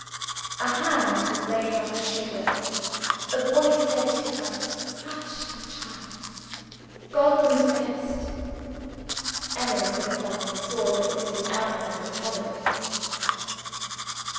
A hand was laid on her shoulder; a voice said to her, "Hush, my child! God knows best." Emily looked up, and saw that Mrs. Ellmother had followed her.